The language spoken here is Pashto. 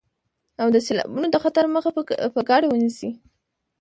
او د سيلابونو د خطر مخه په ګډه ونيسئ.